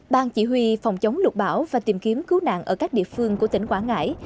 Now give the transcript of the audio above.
ban chỉ huy phòng chống lục bão và tìm kiếm cứu nạn ở các địa phương của tỉnh quảng ngãi